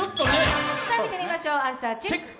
見てみましょう、アンサーチェック。